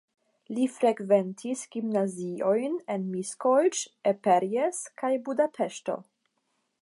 Li frekventis gimnaziojn en Miskolc, Eperjes kaj Budapeŝto.